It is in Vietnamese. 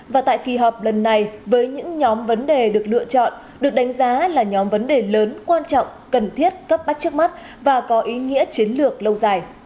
và tại kỳ họp lần này với những nhóm vấn đề được lựa chọn được đánh giá là nhóm vấn đề lớn quan trọng cần thiết cấp bách trước mắt và có ý nghĩa chiến lược lâu dài